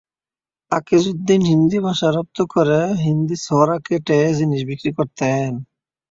আকিজউদ্দীন হিন্দি ভাষা রপ্ত করে হিন্দি ছড়া কেটে জিনিস বিক্রি করতেন।